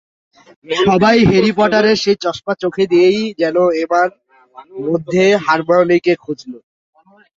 সবাই হ্যারি পটারের সেই চশমা চোখে দিয়েই যেন এমার মধ্যে হারমিওনিকেই খুঁজল।